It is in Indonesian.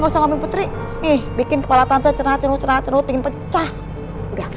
sampai jumpa di video selanjutnya